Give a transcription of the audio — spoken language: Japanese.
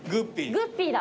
グッピーだ。